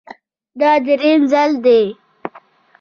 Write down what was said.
دا درېیم ځل دی